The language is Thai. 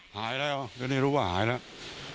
หายแล้วตอนนี้รู้ว่าหายแล้ว